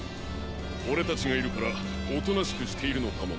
オレたちがいるからおとなしくしているのかもな。